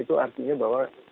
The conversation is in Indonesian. itu artinya bahwa